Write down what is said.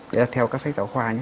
đấy là theo các sách giáo khoa nhé